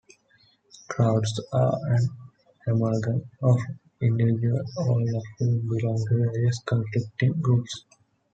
Crowds are an amalgam of individuals, all of whom belong to various conflicting groups.